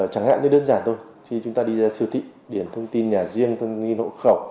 chẳng hạn như đơn giản thôi khi chúng ta đi ra siêu thị điển thông tin nhà riêng thông nghi hộ khẩu